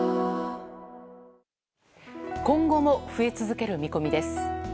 今後も増え続ける見込みです。